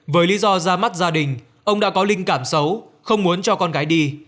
với lý do ra mắt gia đình ông đã có linh cảm xấu không muốn cho con gái đi